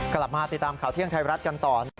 กลับมาติดตามข่าวเที่ยงไทยรัฐกันต่อ